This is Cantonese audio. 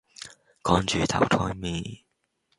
趕住投胎咩